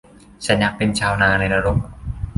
- ฉันอยากเป็นชาวนาในนรก